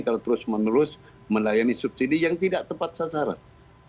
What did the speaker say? kalau terus menerus melayani subsidi yang tidak tepat sasaran